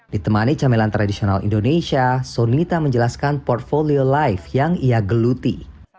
ditemani camelan tradisional indonesia sonita menjelaskan portfolio life yang ia geluti